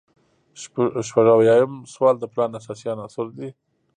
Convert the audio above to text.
شپږ اویایم سوال د پلان اساسي عناصر دي.